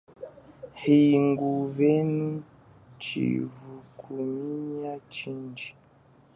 Hingunevu chivukuminya chindji.